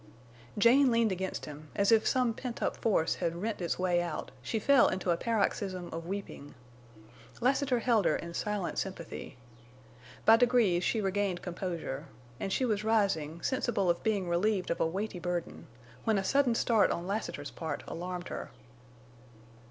Jane leaned against him, as if some pent up force had rent its way out, she fell into a paroxysm of weeping. Lassiter held her in silent sympathy. By degrees she regained composure, and she was rising, sensible of being relieved of a weighty burden, when a sudden start on Lassiter's part alarmed her.